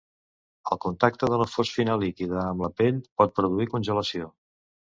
El contacte de la fosfina líquida amb la pell pot produir congelació.